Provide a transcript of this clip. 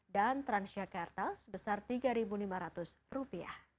dan transjakarta sebesar rp tiga lima ratus